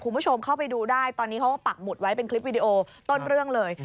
คุณผู้ชมเข้าไปดูได้ตอนนี้เขาก็ปักหมุดไว้เป็นคลิปวิดีโอต้นเรื่องเลย